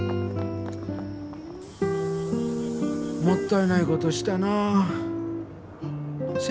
もったいないことしたなあ。